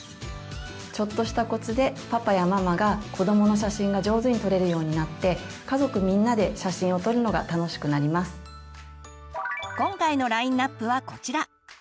ちょっとしたコツでパパやママが子どもの写真が上手に撮れるようになって今回のラインアップはこちら。